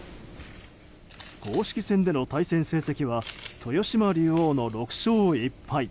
公式戦での対戦成績は豊島竜王の６勝１敗。